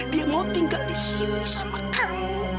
dia mau tinggal di sini sama kamu